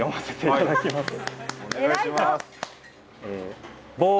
お願いします。